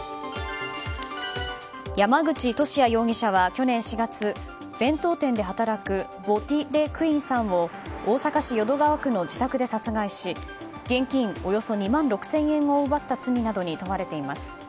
山口利家容疑者は去年４月弁当店では働くヴォ・ティ・レ・クインさんを大阪市淀川区の自宅で殺害し現金およそ２万６０００円を奪った罪などに問われています。